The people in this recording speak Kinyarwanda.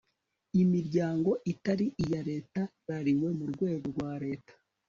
imiryango itari iya leta ihagarariwe mu rwego rwa leta